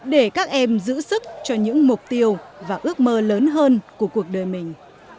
để các em giữ sức cho những mục tiêu và ước mơ lớn hơn của cuộc đời mình